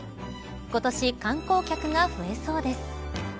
今年、観光客が増えそうです。